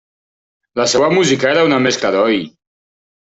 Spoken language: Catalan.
La seva música era una mescla d'oi!